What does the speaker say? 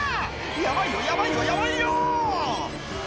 ヤバいよヤバいよヤバいよ！